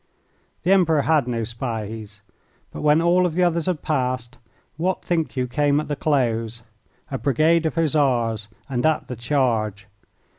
The Emperor had no Spahis. But when all of the others had passed, what think you came at the close? A brigade of Hussars, and at the charge!